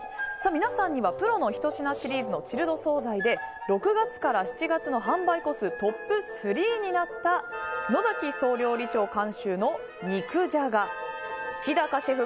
皆さんにはプロのひと品シリーズのチルド総菜で６月から７月の販売個数トップ３になった野崎総料理長監修の肉じゃが日高シェフ